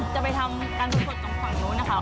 จะไปทำการทดสอบตรงฝั่งโน้นนะคะ